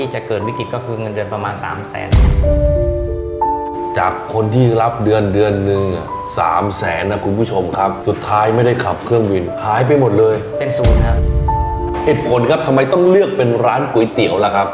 เหตุผลครับทำไมต้องเลือกเป็นร้านก๋วยเตี๋ยวล่ะครับ